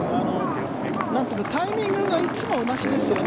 タイミングがいつも同じですよね。